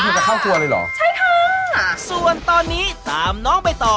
จะเข้าครัวเลยเหรอใช่ค่ะส่วนตอนนี้ตามน้องไปต่อ